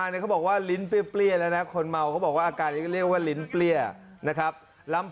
ไหวไหม